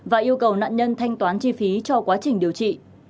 và yêu cầu nạn nhân thanh toán chi phí cho quá trình điều trị